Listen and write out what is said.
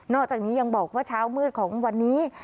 อกจากนี้ยังบอกว่าเช้ามืดของวันนี้